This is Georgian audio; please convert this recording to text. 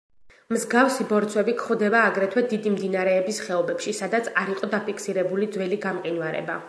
მსგავსი ბორცვები გვხვდება აგრეთვე დიდი მდინარეების ხეობებში, სადაც არ იყო დაფიქსირებული ძველი გამყინვარება.